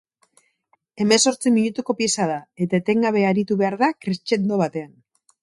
Hemezortzi minutuko pieza da, eta etengabe aritu behar da crescendo batean.